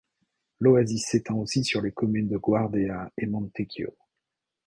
L'oasis s'étend aussi sur les communes de Guardea et Montecchio.